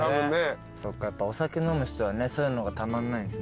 やっぱお酒飲む人はそういうのがたまんないんすね。